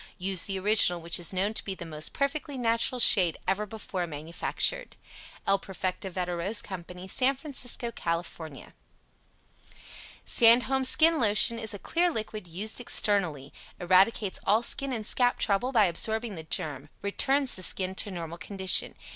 Use the original which is known to be the most perfectly natural shade ever before manufactured. El Perfecto Veda Rose CO. SAN FRANCISCO, CAL. SANDHOLM'S SKIN LOTION is a clear liquid used externally. Eradicates all skin and scalp trouble by absorbing the germ returns the skin to normal condition.